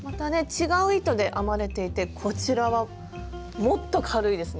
違う糸で編まれていてこちらはもっと軽いですね。